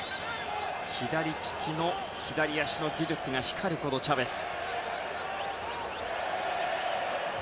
左利きで、左足の技術が光るチャベス。